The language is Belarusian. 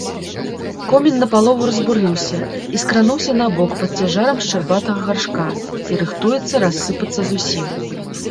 Комін напалову разбурыўся і скрануўся набок пад цяжарам шчарбатага гаршка і рыхтуецца рассыпацца зусім.